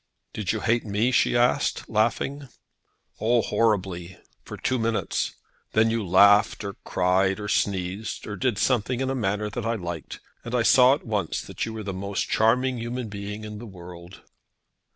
"Did you hate me?" she asked, laughing. "Oh, horribly, for two minutes. Then you laughed, or cried, or sneezed, or did something in a manner that I liked, and I saw at once that you were the most charming human being in the world."